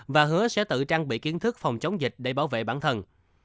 và hứa sẽ tự trang bị kiến thức phòng chống dịch để bảo vệ bản thân